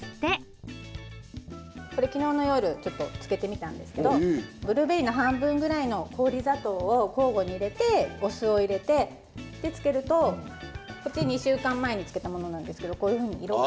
これきのうの夜ちょっと漬けてみたんですけどブルーベリーの半分ぐらいの氷砂糖を交互に入れてお酢を入れて漬けるとこっち２週間前に漬けたものなんですけどこういうふうに色が。